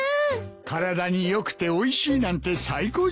体に良くておいしいなんて最高じゃないか。